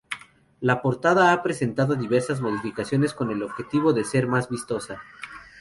La portada ha presentado diversas modificaciones con el objetivo de ser más vistosa.